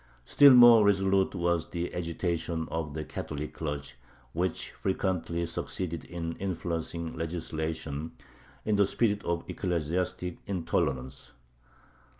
Still more resolute was the agitation of the Catholic clergy, which frequently succeeded in influencing legislation in the spirit of ecclesiastic intolerance.